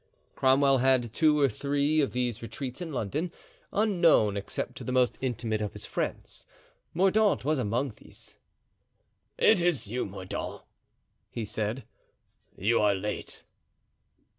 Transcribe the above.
Cromwell had two or three of these retreats in London, unknown except to the most intimate of his friends. Mordaunt was among these. "It is you, Mordaunt," he said. "You are late."